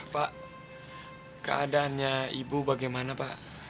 pak keadaannya ibu bagaimana pak